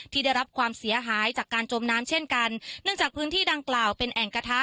ได้รับความเสียหายจากการจมน้ำเช่นกันเนื่องจากพื้นที่ดังกล่าวเป็นแอ่งกระทะ